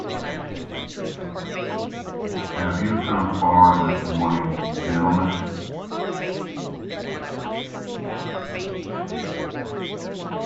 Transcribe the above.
Have you come far this morning, gentlemen?